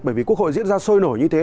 bởi vì quốc hội diễn ra sôi nổi như thế